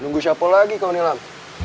nunggu siapa lagi kalau nilam